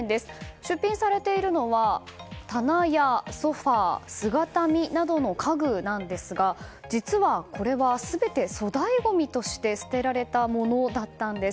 出品されているのは棚やソファ姿見などの家具なんですが実はこれは、全て粗大ごみとして捨てられたものなんです。